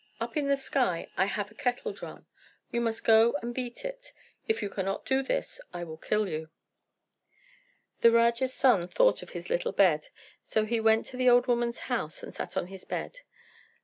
Up in the sky I have a kettle drum. You must go and beat it. If you cannot do this, I will kill you." The Raja's son thought of his little bed; so he went to the old woman's house and sat on his bed.